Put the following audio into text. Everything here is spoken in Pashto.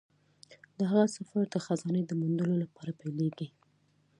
د هغه سفر د خزانې د موندلو لپاره پیلیږي.